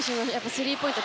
スリーポイント